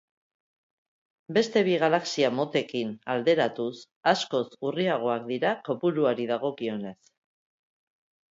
Beste bi galaxia motekin alderatuz, askoz urriagoak dira kopuruari dagokionez.